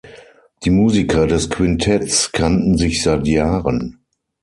Die Musiker des Quintetts kannten sich seit Jahren.